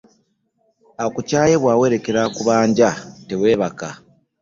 Akukyaye bwawerekera akubanja tewebaka .